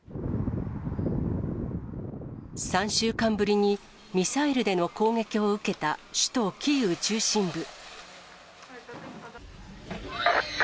３週間ぶりにミサイルでの攻撃を受けた首都キーウ中心部。